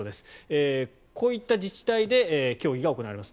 こういった自治体で競技が行われます。